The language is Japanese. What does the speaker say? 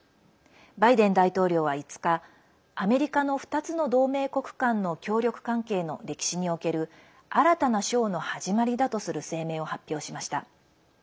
バイデン大統領は５日アメリカの２つの同盟国間の協力関係の歴史における新たな章の始まりだとする声明を発表しました。